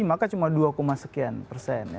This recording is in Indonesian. maka cuma dua sekian persen